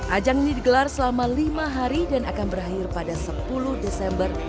ajang ini digelar selama lima hari dan akan berakhir pada sepuluh desember dua ribu dua puluh dua